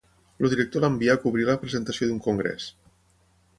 El director l'envia a cobrir la presentació d'un congrés.